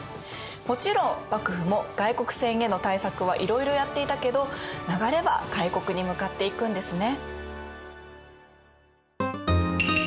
もちろん幕府も外国船への対策はいろいろやっていたけど流れは開国に向かっていくんですね。